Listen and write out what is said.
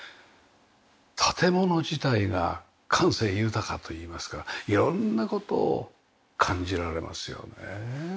建物自体が感性豊かといいますか色んな事を感じられますよねえ。